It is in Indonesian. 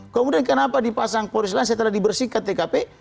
kemudian kenapa dipasang polis lain setelah dibersihkan tkp